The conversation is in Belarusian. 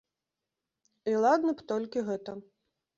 І ладна б толькі гэта.